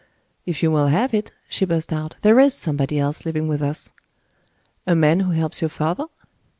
"If you will have it," she burst out, "there is somebody else living with us." "A man who helps your father?"